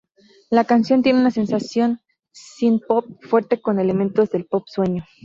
La canción tiene una sensación synthpop fuerte con elementos del pop sueño.